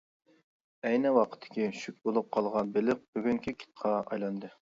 ئەينى ۋاقىتتىكى شۈك بولۇپ قالغان بېلىق بۈگۈنكى كىتقا ئايلاندى.